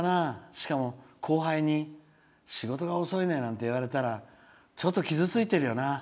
しかも後輩に仕事が遅いなんて言われたらちょっと傷ついてるよな。